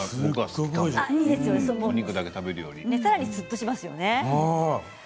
さらに、すっとしますよね。